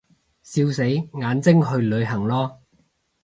笑死，眼睛去旅行囉